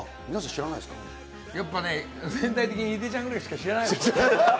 知らやっぱね、年代的にヒデちゃんぐらいしか知らないのよ。